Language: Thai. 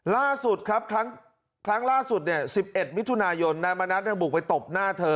ล่าสุดครับครั้งล่าสุด๑๑มิยนมานัดให้ปุ๊บไปตบหน้าเธอ